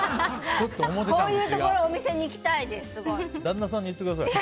こういうところのお店に行きたいです。